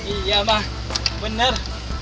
iya mak bener